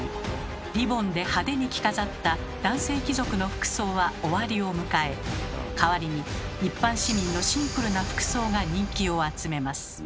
リボンで派手に着飾った男性貴族の服装は終わりを迎え代わりに一般市民のシンプルな服装が人気を集めます。